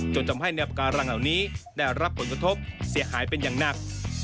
จนทำให้แนวปาการังเหล่านี้ได้รับผลกระทบเสียหายเป็นอย่างหนัก